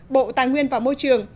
ba bộ tài nguyên và môi trường